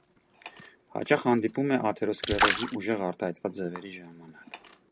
Հաճախ հանդիպում է աթերոսկլերոզի ուժեղ արտահայտված ձևերի ժամանակ։